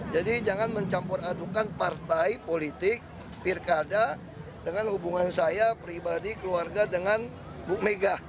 jadi jangan mencampur adukan partai politik pirkada dengan hubungan saya pribadi keluarga dengan bu mega